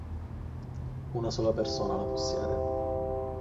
Una sola persona la possiede.